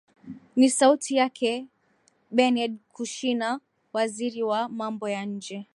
ni sauti yake benerd kushina waziri wa mambo ya nje